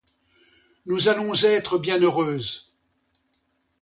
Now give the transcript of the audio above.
Nous allons être bien heureuses.